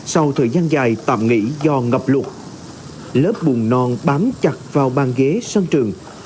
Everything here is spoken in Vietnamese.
sau thời gian dài tạm nghỉ do ngập lụt lớp buồn non bám chặt vào bàn ghế sân trường